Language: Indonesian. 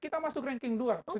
kita masuk ranking dua secara dunia